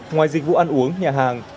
ngoài dịch vụ ăn uống nhà hàng